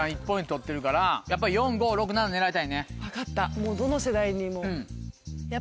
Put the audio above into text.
もうどの世代にも。